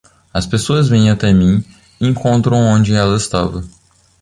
As pessoas vêm até mim e encontram onde ela estava.